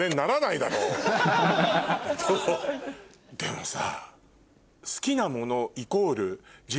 でもさ。